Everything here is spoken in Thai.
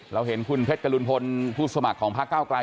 เราเห็นคุณเพชรกระลุนพลผู้สมัครของภาคก้าวกลาย